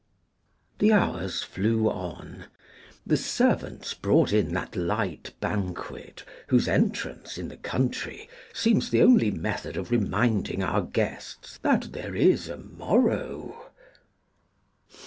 The hours flew on; the servants brought in that light banquet whose entrance in the country seems the only method of reminding our guests that there is a morrow.